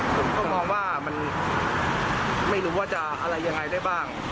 ผมก็มองว่ามันไม่รู้ว่าจะอะไรยังไงได้บ้าง